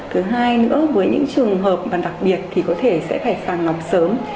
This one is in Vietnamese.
thứ hai nữa với những trường hợp mà đặc biệt thì có thể sẽ phải sàng lọc sớm